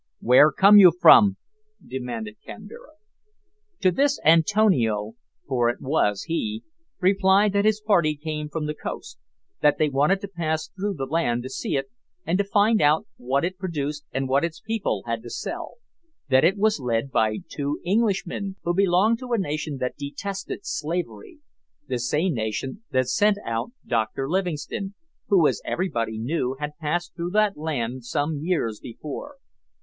"Where come you from?" demanded Kambira. To this Antonio for it was he replied that his party came from the coast; that they wanted to pass through the land to see it, and to find out what it produced and what its people had to sell; that it was led by two Englishmen, who belonged to a nation that detested slavery the same nation that sent out Dr Livingstone, who, as everybody knew, had passed through that land some years before.